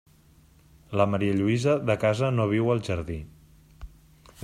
La marialluïsa de casa no viu al jardí.